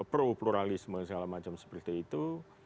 pro pluralisme segala macam seperti itu